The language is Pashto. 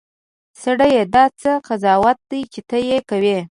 سړیه! دا څه قضاوت دی چې ته یې کوې.